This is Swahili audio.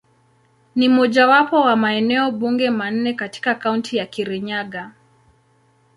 Ni mojawapo wa maeneo bunge manne katika Kaunti ya Kirinyaga.